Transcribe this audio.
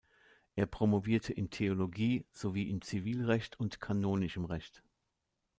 Er promovierte in Theologie sowie in Zivilrecht und Kanonischem Recht.